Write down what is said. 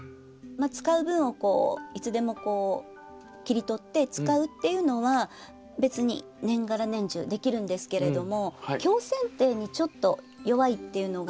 使う分をいつでもこう切り取って使うっていうのは別に年がら年中できるんですけれども強せん定にちょっと弱いっていうのが。